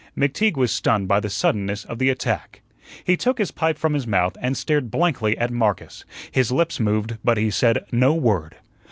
McTeague was stunned by the suddenness of the attack. He took his pipe from his mouth, and stared blankly at Marcus; his lips moved, but he said no word.